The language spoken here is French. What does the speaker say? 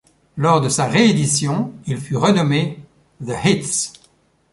Lors de sa réédition, il fut renommé The Hits.